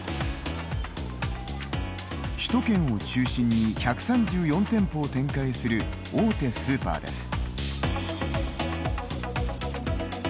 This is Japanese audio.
首都圏を中心に１３４店舗を展開する大手スーパーです。